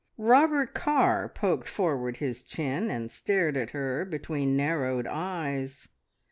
Robert Carr poked forward his chin, and stared at her between narrowed eyes.